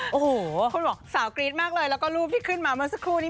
โอ้โหคนบอกสาวกรี๊ดมากเลยแล้วก็รูปที่ขึ้นมาเมื่อสักครู่นี้